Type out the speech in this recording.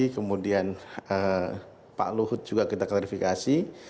kemudian pak luhut juga kita klarifikasi